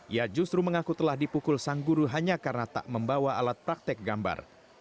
ia justru mengaku telah dipukul sang guru hanya karena tak membawa alat praktek gambar